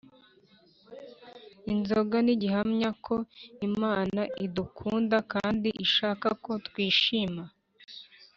inzoga ni gihamya ko imana idukunda kandi ishaka ko twishima